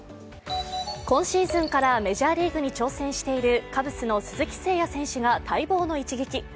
今シーズンからメジャーリーグに挑戦しているカブスの鈴木誠也選手が待望の一撃。